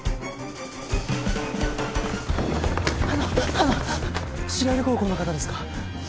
あの白百合高校の方ですか？